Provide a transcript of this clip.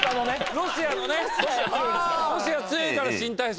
ロシア強いから新体操。